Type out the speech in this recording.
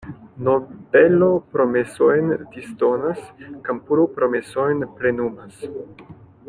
Nobelo promesojn disdonas, kampulo promesojn plenumas.